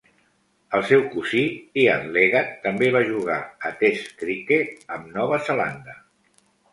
El seu cosí, Ian Leggat, també va jugar a Test criquet amb Nova Zelanda.